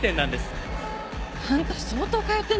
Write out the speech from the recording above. あんた相当通ってんでしょ。